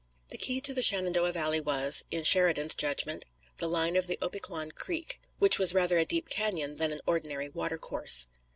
The key to the Shenandoah Valley was, in Sheridan's judgment, the line of the Opequan Creek, which was rather a deep cañon than an ordinary watercourse.